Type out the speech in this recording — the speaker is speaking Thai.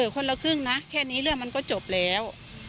คนละครึ่งนะแค่นี้เรื่องมันก็จบแล้ว